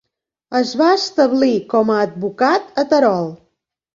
Es va establir com a advocat a Terol.